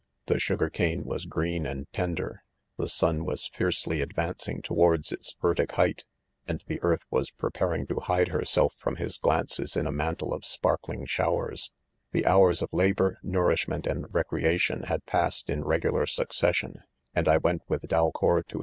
The sugar cane was green and tender ; the sun was fierce ly advancing towards its vertic height, and the earth was preparing: to hide herself from his glaaces in a mantle of sparkling showers, 214 IBQMEN* '. The hours of 'labour, nourishment and rec reation, had passed in regular succession,, and 1 went with Dalcour to.